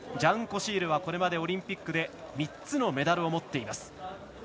ジャン・コシールはこれまでオリンピックで３つのメダルを持っています。